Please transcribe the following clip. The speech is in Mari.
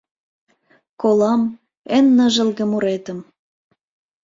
Колам: эн ныжылге муретым